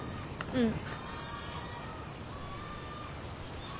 うん。